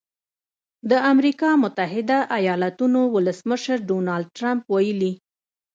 د امریکا متحده ایالتونو ولسمشر ډونالډ ټرمپ ویلي